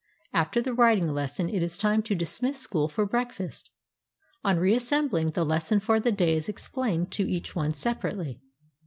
After the writing lesson it is time to dismiss school for breakfast. On reassembling, the lesson for the day is explained to each one separately.